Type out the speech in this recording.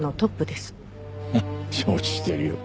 承知してるよ。